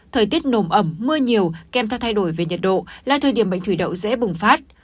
thời tiết nồm ẩm mưa nhiều kèm theo thay đổi về nhiệt độ là thời điểm bệnh thủy đậu dễ bùng phát